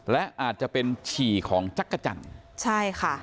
และอาจจะเป็นฉี่ของจักรจันทร์ใช่ค่ะ